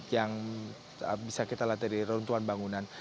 yang bisa kita lihat dari reruntuhan bangunan